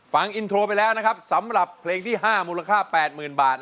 ฟังอินโทรไปแล้วนะครับสำหรับเพลงที่๕มูลค่า๘๐๐๐บาท